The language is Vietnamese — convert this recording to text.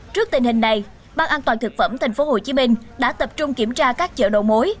trước tình hình này ban an toàn thực phẩm tp hcm đã tập trung kiểm tra các chợ đầu mối